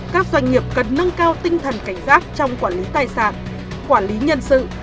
các doanh nghiệp cần nâng cao tinh thần cảnh giác trong quản lý tài sản quản lý nhân sự